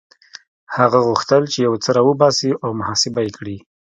هغه غوښتل چې يو څه را وباسي او محاسبه يې کړي.